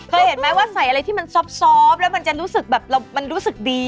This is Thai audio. เคยเห็นไหมว่าใส่อะไรที่มันซอบแล้วมันจะรู้สึกแบบมันรู้สึกดี